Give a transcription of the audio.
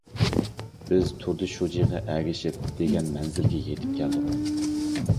بىز تۇردى شۇجىغا ئەگىشىپ، دېگەن مەنزىلگە يېتىپ كەلدۇق.